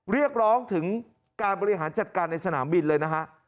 เรียกร้องถึงการบริหารจัดการในสนามบินเลยนะฮะ